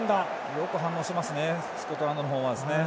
よく反応してますねスコットランドの方は。